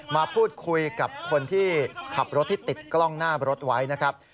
มาพูดคุยกับคนที่ขับรถที่ติดกล้องหน้ารถไว้นะครับ